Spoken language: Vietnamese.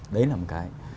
đấy là một cái